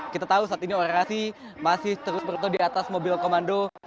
kita tahu saat ini orasi masih terus bertok di atas mobil komando